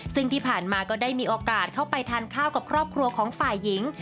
ซึ่งที่ผ่านมาก็ได้มีโอกาสเข้าไปทานข้าวกับครอบครัวของฝ่ายหญิง